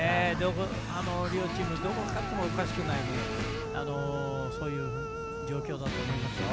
両チーム勝ってもおかしくない状況だと思いますよ。